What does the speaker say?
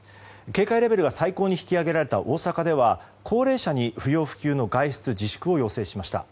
警戒レベルが最高に引き上げられた大阪では高齢者に不要不急の外出自粛を要請しました。